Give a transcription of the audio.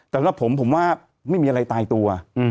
แต่ว่าผมผมว่าไม่มีอะไรตายตัว